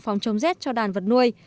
phòng chống rết cho đàn vật nuôi